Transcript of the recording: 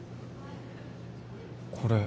これ。